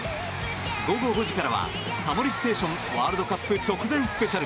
午後５時からは「タモリステーションワールドカップ直前ＳＰ」。